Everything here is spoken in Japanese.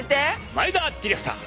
前田ディレクター。